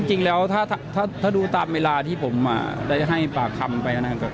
จริงแล้วถ้าดูตามเวลาที่ผมได้ให้ปากคำไปนะครับ